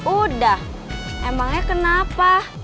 udah emangnya kenapa